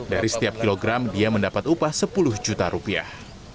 dari setiap kilogram dia mendapat upah sepuluh juta rupiah